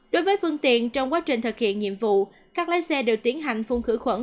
đối với phương tiện trong quá trình thực hiện nhiệm vụ các lái xe đều tiến hành phun khử khuẩn